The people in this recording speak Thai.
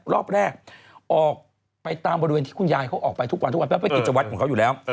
รอบแรกออกไปตามบริเวณที่คุณยายเขาออกไปทุกวันทุกวันเพราะเป็นกิจวัตรของเขาอยู่แล้ว